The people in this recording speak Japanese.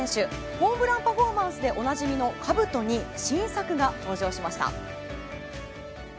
ホームランパフォーマンスでおなじみのかぶとに新作が登場しました。